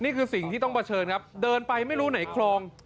นี่คือสิ่งที่ต้องเผชิญครับเดินไปไม่รู้ไหนคลอง